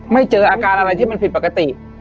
ไม่เจออาการอะไรที่มันผิดปกติ